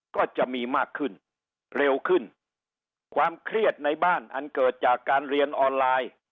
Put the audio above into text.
ก็จะมีมากขึ้นเร็วขึ้นความเครียดในบ้านอันเกิดจากการเรียนออนไลน์